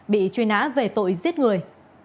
bị truy nã về tội giết người